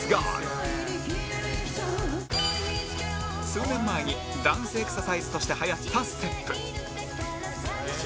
数年前にダンスエクササイズとして流行ったステップ